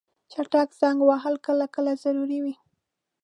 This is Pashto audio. چټک زنګ وهل کله کله ضروري وي.